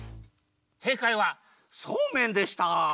せいかいはそうめんでした！